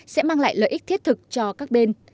sẽ mang lại lợi ích thiết thực cho các bên